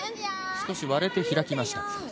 少し割れて開きました。